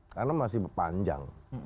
karena masih panjang